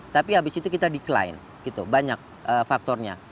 tapi abis itu kita decline banyak faktornya